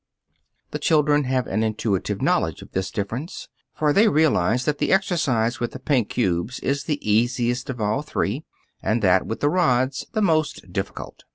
] The children have an intuitive knowledge of this difference, for they realize that the exercise with the pink cubes is the easiest of all three and that with the rods the most difficult.